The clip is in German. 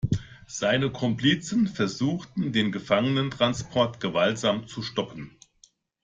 Seine Komplizen versuchten, den Gefangenentransport gewaltsam zu stoppen.